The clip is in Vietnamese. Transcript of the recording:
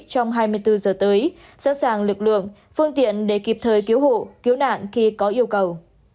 trong hai mươi bốn giờ tới sẵn sàng lực lượng phương tiện để kịp thời cứu hộ cứu nạn khi có yêu cầu